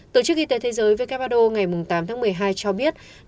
tổ chức y tế thế giới who ngày tám tháng một mươi hai cho biết